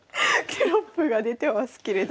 テロップが出てますけれども。